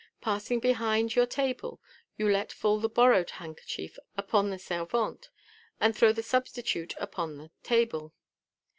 Passing behind your table, you let fall the borrowed handkerchief upon the servante, and throw the substitute upon the table.